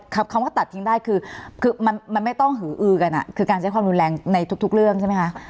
คำว่าตัดทิ้งได้คือมันไม่ต้องหืออือกันคือการใช้ความรุนแรงในทุกเรื่องใช่ไหมคะ